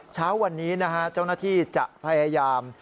เช้าวันนี้นะฮะเจ้าหน้าที่จะพยายาม